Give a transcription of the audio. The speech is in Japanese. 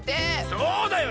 そうだよ！